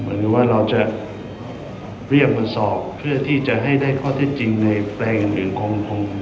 เหมือนว่าเราจะเรียกประสอบเพื่อที่จะให้ได้ข้อที่จริงในแปลงหรือคง